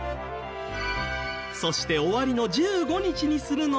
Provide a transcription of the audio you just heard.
そして終わりの１５日にするのは送り火。